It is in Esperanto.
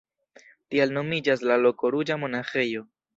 Tial nomiĝas la loko ruĝa monaĥejo.